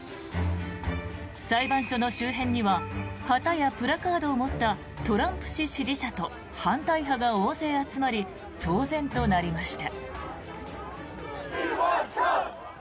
裁判所の周辺には旗やプラカードを持ったトランプ氏支持者と反対派が大勢集まり騒然となりました。